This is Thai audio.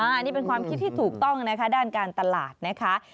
อันนี้เป็นความคิดที่ถูกต้องนะคะด้านการตลาดนะคะ